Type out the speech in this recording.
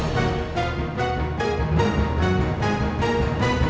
dia selalu kayak kekasih